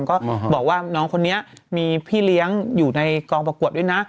ก็บอกว่าน้องคนนี้มีพี่เลี้ยงอยู่ในกองประกวดด้วยนะ